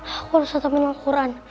aku harus atamin alquran